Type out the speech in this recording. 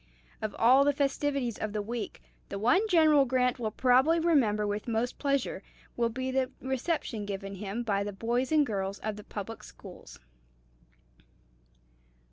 Of all the festivities of the week, the one General Grant will probably remember with most pleasure will be the reception given him by the boys and girls of the public schools.